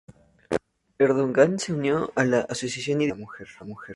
Erdoğan se unió a la "Asociación Idealista de la Mujer".